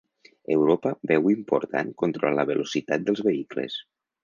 Europa veu important controlar la velocitat dels vehicles